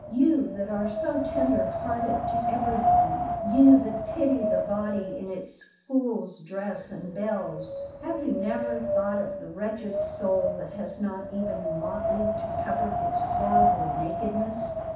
You that are so tender hearted to everything you that pity the body in its fool's dress and bells have you never thought of the wretched soul that has not even motley to cover its horrible nakedness?